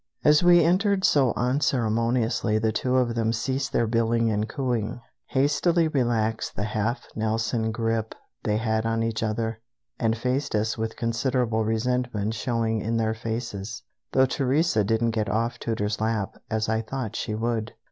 As we entered so unceremoniously the two of them ceased their billing and cooing, hastily relaxed the half Nelson grip they had on each other, and faced us with considerable resentment showing in their faces, though Teresa didn't get off Tooter's lap, as I thought she would.